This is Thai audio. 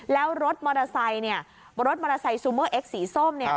แล้วรถมอเตอร์ไซต์รถมอเตอร์ไซต์ซูเมอร์เอ็กซ์สีส้ม